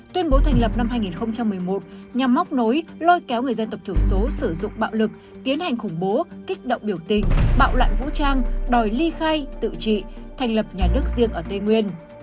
tuyên bố thành lập năm hai nghìn một mươi một nhằm móc nối lôi kéo người dân tộc thiểu số sử dụng bạo lực tiến hành khủng bố kích động biểu tình bạo loạn vũ trang đòi ly khai tự trị thành lập nhà nước riêng ở tây nguyên